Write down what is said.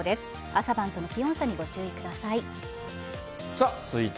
朝晩との気温差にご注意ください。